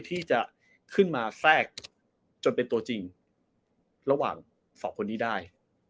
ที่จะขึ้นมาแทรกจนเป็นตัวจริงระหว่างสองคนนี้ได้